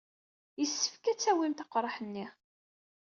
Yessefk ad tawyemt aqraḥ-nni.